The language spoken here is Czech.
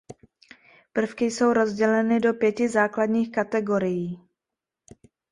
Prvky jsou rozděleny do pěti základních kategorií.